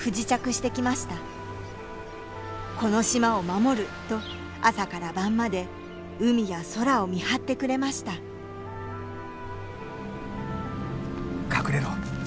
「この島を守る」と朝から晩まで海や空を見張ってくれました隠れろ。